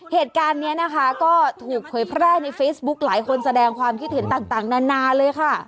เหตุการณ์นี้นะคะก็ถูกเผยแพร่ในเฟซบุ๊กหลายคนแสดงความคิดเห็นต่างนานาเลยค่ะ